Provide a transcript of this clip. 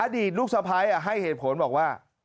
ดีตลูกสะพ้ายให้เหตุผลบอกว่า